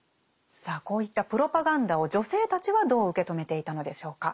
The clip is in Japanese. さあこういったプロパガンダを女性たちはどう受け止めていたのでしょうか。